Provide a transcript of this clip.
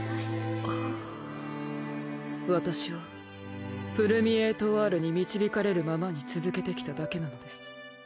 私はプルミエエトワールに導かれるままに続けてきただけなのです。